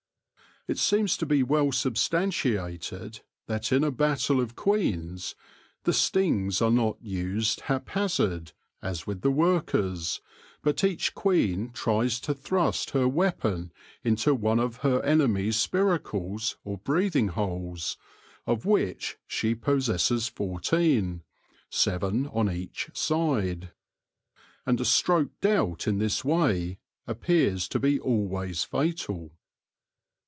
It seems to be well sub stantiated that in a battle of queens the stings are not used haphazard, as with the workers, but each queen tries to thrust her weapon into one of her enemy's spiracles or breathing holes, of which she possesses fourteen, seven on each side. And a stroke dealt in this way appears to be always fatal.